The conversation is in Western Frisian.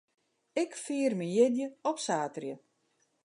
Ik fier myn jierdei op saterdei.